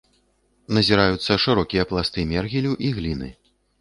Назіраюцца шырокія пласты мергелю і гліны.